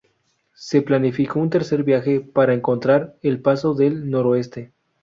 Se planificó un tercer viaje para encontrar el paso del Noroeste.